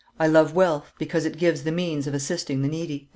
I love wealth, because it gives the means of assisting the needy."